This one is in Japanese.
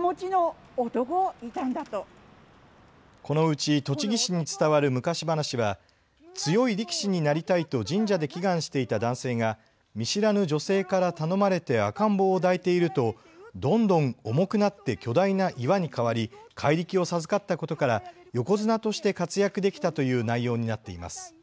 このうち栃木市に伝わる昔話は強い力士になりたいと神社で祈願していた男性が見知らぬ女性から頼まれて赤ん坊を抱いているとどんどん重くなって巨大な岩に変わり怪力を授かったことから横綱として活躍できたという内容になっています。